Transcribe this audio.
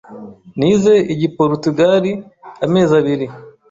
Nize Igiporutugali amezi abiri.